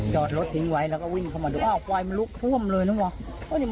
จอดรถทิ้งไว้แล้วก็วิ่งเข้ามาดูอ้าวไฟมันลุกท่วมเลยนึกว่า